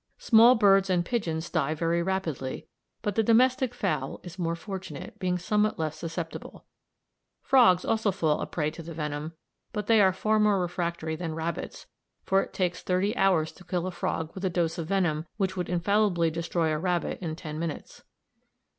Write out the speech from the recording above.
Small birds and pigeons die very rapidly, but the domestic fowl is more fortunate, being somewhat less susceptible. Frogs also fall a prey to the venom, but they are far more refractory than rabbits, for it takes thirty hours to kill a frog with a dose of venom which would infallibly destroy a rabbit in ten minutes.